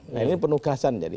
nah ini penugasan jadi